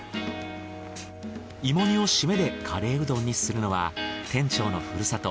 芋煮をシメでカレーうどんにするのは店長のふるさと